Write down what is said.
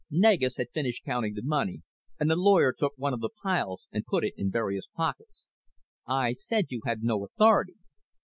Negus had finished counting the money and the lawyer took one of the piles and put it in various pockets. "I said you had no authority.